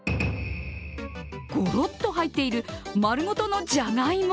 ごろっと入っている丸ごとのじゃがいも。